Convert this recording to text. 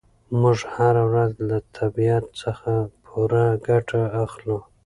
موږ هره ورځ له طبیعت څخه پوره ګټه اخلو.